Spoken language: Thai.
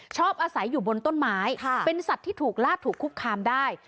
ชอบอาศัยอยู่บนต้นไม้เป็นสัตว์ที่ถูกลาดถูกคุกคามได้